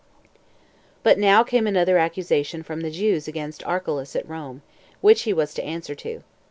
1. But now came another accusation from the Jews against Archelaus at Rome, which he was to answer to.